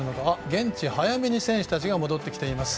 現地、早めに選手たちが戻ってきています。